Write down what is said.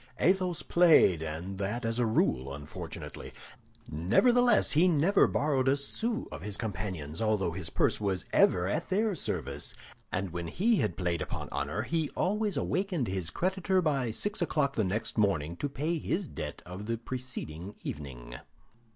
Athos played, and that as a rule unfortunately. Nevertheless, he never borrowed a sou of his companions, although his purse was ever at their service; and when he had played upon honor, he always awakened his creditor by six o'clock the next morning to pay the debt of the preceding evening.